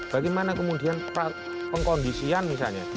bagaimana kemudian pengkondisian misalnya